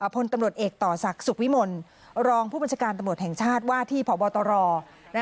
พลตำรวจเอกต่อศักดิ์สุขวิมลรองผู้บัญชาการตำรวจแห่งชาติว่าที่พบตร